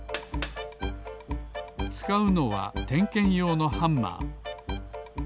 つかうのはてんけんようのハンマー。